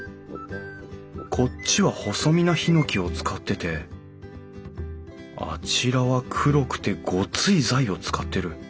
こっちは細身なヒノキを使っててあちらは黒くてゴツい材を使ってる。